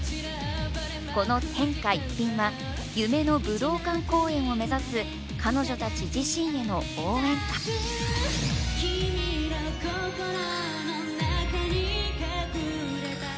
この「天下一品」は夢の武道館公演を目指す彼女たち自身への応援歌「君の心の中に隠れた」